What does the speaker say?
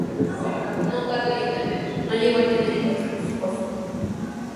No llegó a tener hijos con su esposo.